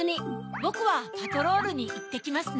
ぼくはパトロールにいってきますね。